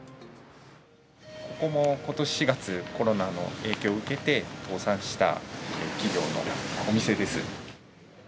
ここもことし４月、コロナの影響を受けて、倒産した企業のお店です。